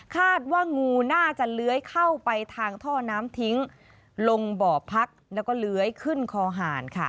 คาดว่างูน่าจะเลื้อยเข้าไปทางท่อน้ำทิ้งลงบ่อพักแล้วก็เลื้อยขึ้นคอหารค่ะ